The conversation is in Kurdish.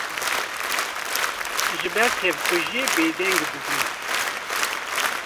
ji ber tevkujiyê bêdeng bûbûn